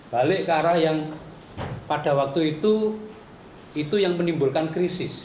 balik ke arah yang pada waktu itu itu yang menimbulkan krisis